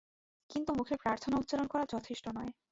কিন্তু মুখে প্রার্থনা উচ্চারণ করা যথেষ্ট নয়।